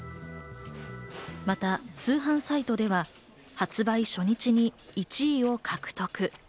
また通販サイトでは発売初日に１位を獲得。